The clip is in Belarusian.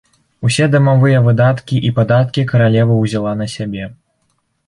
Усе дамавыя выдаткі і падаткі каралева ўзяла на сябе.